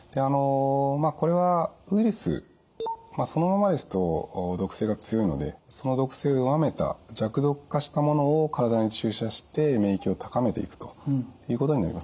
これはウイルスそのままですと毒性が強いのでその毒性を弱めた弱毒化したものを体に注射して免疫を高めていくということになります。